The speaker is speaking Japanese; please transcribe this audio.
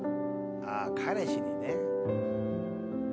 ああ彼氏にね。